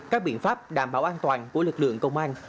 các biện pháp đảm bảo an toàn của lực lượng công an